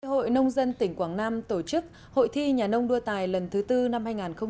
hội nông dân tỉnh quảng nam tổ chức hội thi nhà nông đua tài lần thứ tư năm hai nghìn một mươi chín